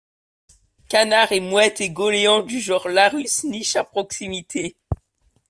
Canards et Mouettes et goélands du genre Larus nichent à proximité.